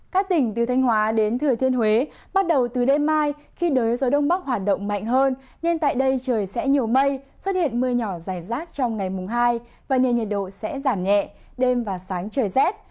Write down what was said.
các tỉnh từ thanh hóa đến thừa thiên huế bắt đầu từ đêm mai khi đới gió đông bắc hoạt động mạnh hơn nên tại đây trời sẽ nhiều mây xuất hiện mưa nhỏ dài rác trong ngày mùng hai và nền nhiệt độ sẽ giảm nhẹ đêm và sáng trời rét